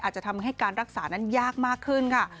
อาจจะทำให้การรักษานั้นยากมากขึ้นค่ะ